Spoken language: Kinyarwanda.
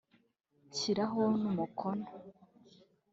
nshyiraho n’umukono”